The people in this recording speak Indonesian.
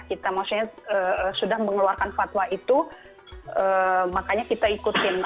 kita maksudnya sudah mengeluarkan fatwa itu makanya kita ikutin